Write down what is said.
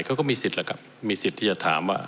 เขาก็มีสิทธิ์แล้วครับมีสิทธิ์ที่จะถามว่า